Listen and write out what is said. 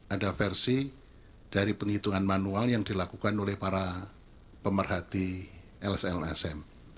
ada versi dari penghitungan manual yang dilakukan oleh para pemerhati lslsm